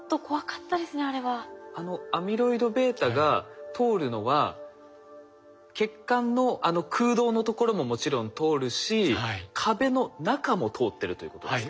あのアミロイドβが通るのは血管のあの空洞のところももちろん通るし壁の中も通ってるということですか？